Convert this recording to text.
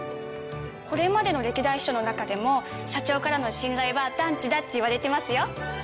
これまでの歴代秘書の中でも社長からの信頼はダンチだっていわれてますよ。